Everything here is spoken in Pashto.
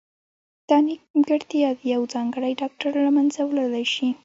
دا نیمګړتیا یو ځانګړی ډاکټر له منځه وړلای شي.